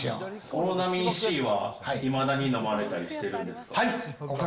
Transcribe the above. オロナミンＣは、いまだに飲まれたりしてるんですか。